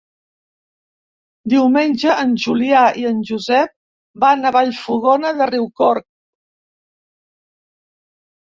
Diumenge en Julià i en Josep van a Vallfogona de Riucorb.